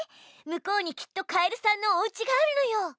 向こうにきっとカエルさんのおうちがあるのよ。